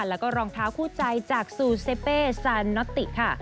แล้วก็รองเท้าคู่ใจจากซูเซเปซานนอติค่ะ